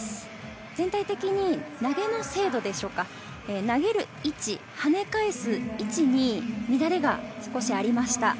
全体的に投げの精度でしょうか、あげる位置、跳ね返す位置に乱れが少しありました。